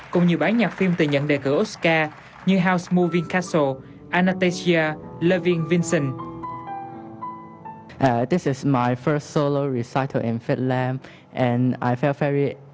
cũng như bản nhạc phim từ những đề cử oscar như house moving castle